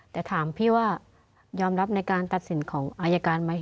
แต่ถามพี่ว่ายอมรับในการตัดสินของอายการไหม